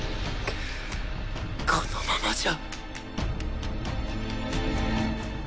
このままじゃ